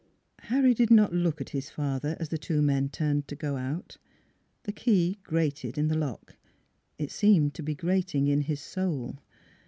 Harry did not look at his father, as the two men turned to go out. ... The key grated in the lock. It seemed to be grating in his soul.